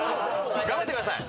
頑張ってください。